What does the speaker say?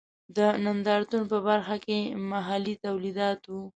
د نندارتون په برخه کې محلي تولیدات و.